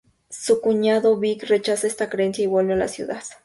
Su cuñado Vic rechaza esta creencia, y vuelve a la ciudad.